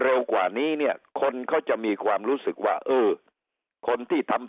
เร็วกว่านี้เนี่ยคนเขาจะมีความรู้สึกว่าเออคนที่ทำ